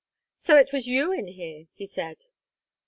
"So it was you in here," he said.